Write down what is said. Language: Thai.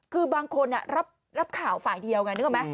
คือบางคนรับข่าวฝ่ายเดียวไงนึกออกไหม